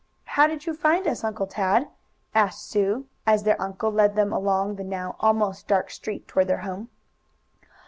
"How did you find us, Uncle Tad?" asked Sue, as their uncle led them along the now almost dark street toward their home.